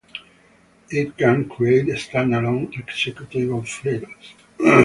It can create standalone executable files.